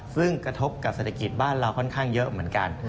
ซึ่งกระทบกับเศรษฐกิจบ้านเราค่อนข้างเยอะเหมือนกัน